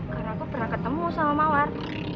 karena aku pernah ketemu sama mawar